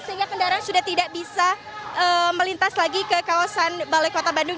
sehingga kendaraan sudah tidak bisa melintas lagi ke kawasan balai kota bandung